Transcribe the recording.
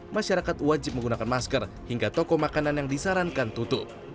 masyarakat wajib menggunakan masker hingga toko makanan yang disarankan tutup